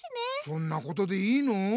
そんなことでいいの？